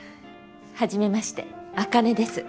はじめまして茜です。